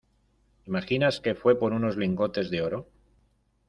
¿ imaginas que fue por unos lingotes de oro?